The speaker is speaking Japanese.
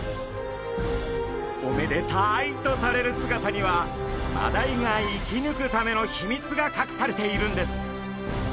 おめでタイとされる姿にはマダイが生きぬくためのひみつがかくされているんです。